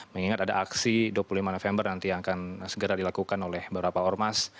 mengingat ada aksi dua puluh lima november nanti yang akan segera dilakukan oleh beberapa ormas